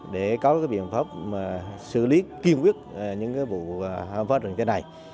để có biện pháp xử lý kiên quyết những vụ phá rừng như thế này